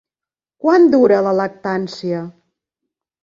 Quant dura la lactància?